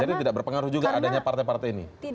jadi tidak berpengaruh juga adanya partai partai ini